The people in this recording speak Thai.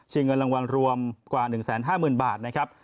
เงินรางวัลรวมกว่า๑๕๐๐๐บาทนะครับ